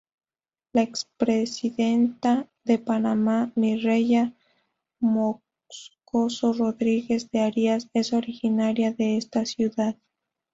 La expresidenta de Panamá, Mireya Moscoso Rodríguez de Arias, es originaria de esta ciudad.